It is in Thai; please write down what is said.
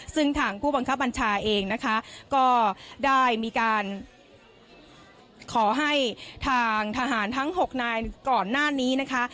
ซึ่งทางผู้บังคับบัญชาเองนะคะก็ได้มีการขอให้ทางทหารทั้ง๖นายก่อนหน้านี้นะคะ